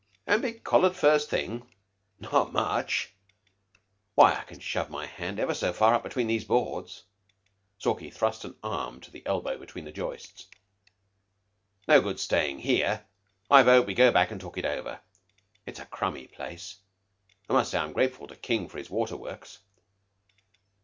"An' be collared first thing? Not much. Why, I can shove my hand ever so far up between these boards." Stalky thrust an arm to the elbow between the joists. "No good stayin' here. I vote we go back and talk it over. It's a crummy place. 'Must say I'm grateful to King for his water works."